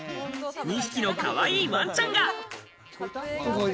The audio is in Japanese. ２匹のかわいいワンちゃんが。